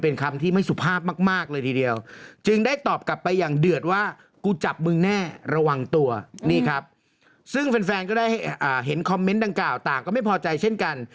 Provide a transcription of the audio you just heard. นี่เค้าคิดว่าทำไรคันสมัยเมนต์ด่างกล่าวต่างก็ไม่พอใจเช่นกัน